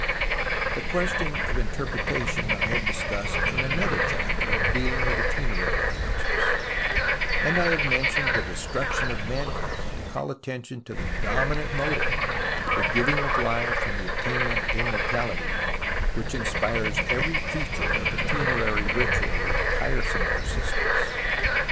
The question of interpretation I have discussed in another chapter, dealing with the funerary couches, and 1 have mentioned the Destruction of Mankind to call attention to the dominant motive — the Giving of Life and the Attain ment of Immortality — which inspires every feature of the funerary ritual with tiresome persistence.